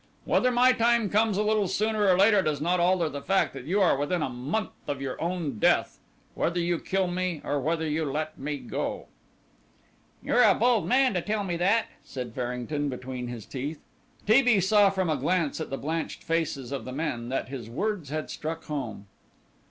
Whether my time comes a little sooner or later does not alter the fact that you are within a month of your own death, whether you kill me or whether you let me go." "You are a bold man to tell me that," said Farrington between his teeth. T. B. saw from a glance at the blanched faces of the men that his words had struck home.